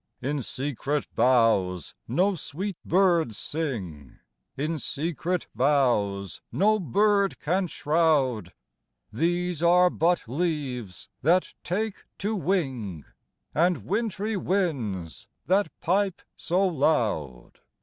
In secret boughs no sweet birds sing, In secret boughs no bird can shroud; These are but leaves that take to wing, And wintry winds that pipe so loud.